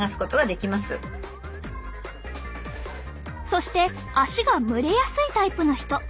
そして足が蒸れやすいタイプの人。